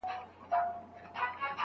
چي په کوڅو کي ګرځي ناولي